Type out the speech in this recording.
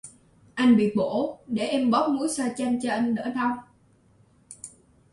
Anh bị bổ, để em bóp muối xoa chanh cho anh đỡ đau